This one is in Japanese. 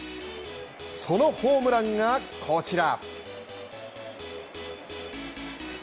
そのホームランが、こちら。